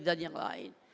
dan yang lain